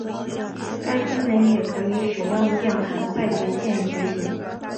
该功能也可以使用键盘快捷键执行。